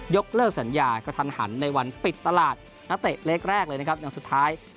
ยกเลิกสัญญาก็ทันหันในวันปิดตลาดนักเตะเล็กเลยอย่างสุดท้าย